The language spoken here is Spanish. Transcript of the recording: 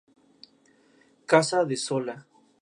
Logró escapar a Francia y regresar por la frontera catalana.